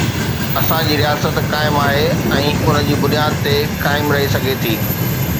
اسان جي رياست قائم آهي ۽ ان جي بنياد تي قائم رهي سگهي ٿي.